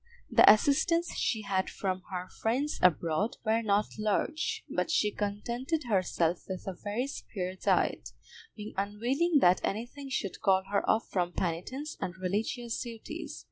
The assistance she had from her friends abroad were not large, but she contented herself with a very spare diet, being unwilling that anything should call her off from penitence and religious duties.